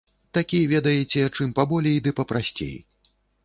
Такі, ведаеце, чым паболей ды папрасцей.